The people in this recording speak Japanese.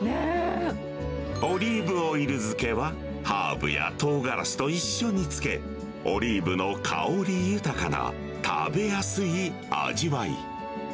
オリーブオイル漬けは、ハーブやトウガラシと一緒に漬け、オリーブの香り豊かな食べやすい味わい。